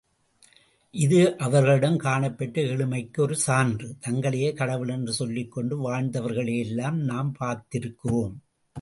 இது அவர்களிடம் காணப்பெற்ற எளிமைக்கு ஒரு சான்று தங்களையே கடவுள் என்று சொல்லிக் கொண்டு வாழ்ந்தவர்களையெல்லாம் நாம் பாத்திருக்கிறோம்.